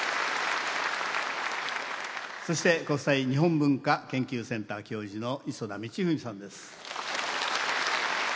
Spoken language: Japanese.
そして国際日本文化研究センター教授の磯田道史さんです。